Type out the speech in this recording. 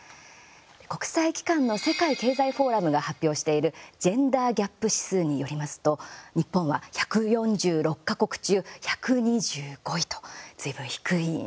国際機関の世界経済フォーラムが発表しているジェンダーギャップ指数によりますと日本は１４６か国中１２５位とずいぶん低いんですよね。